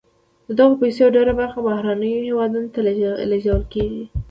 د دغه پیسو ډیره برخه بهرنیو هېوادونو ته لیږدول کیږي.